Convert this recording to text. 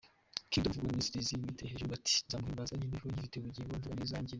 Kingdom of God Ministries bitereye hejuru bati 'Nzamuhimbaza nkiriho nkifite ubugingo mvuga ineza yangiriye'.